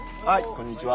こんにちは。